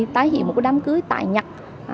tái hiện một đám cưới tại nhật